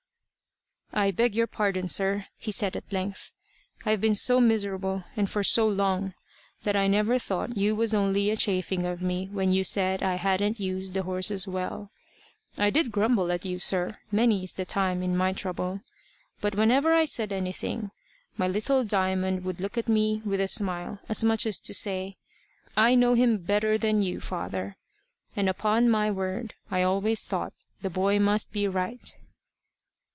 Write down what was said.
"I beg your pardon, sir," he said at length. "I've been so miserable, and for so long, that I never thought you was only a chaffing of me when you said I hadn't used the horses well. I did grumble at you, sir, many's the time in my trouble; but whenever I said anything, my little Diamond would look at me with a smile, as much as to say: 'I know him better than you, father;' and upon my word, I always thought the boy must be right."